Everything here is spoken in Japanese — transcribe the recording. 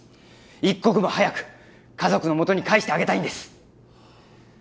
一刻も早く家族のもとに帰してあげたいんです。